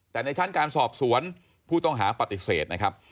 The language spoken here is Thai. แต่ในชั้นการสอบสวนผู้ต้องหาปฏิเสธนะครับ